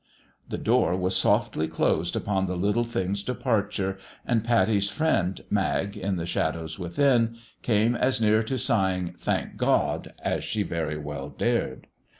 The door was softly closed upon the little thing's departure ; and Pattie's friend, Mag, in the shadows within, came as near to sighing " Thank God !" as she very well dared.